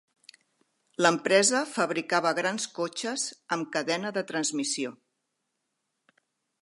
L'empresa fabricava grans cotxes amb cadena de transmissió.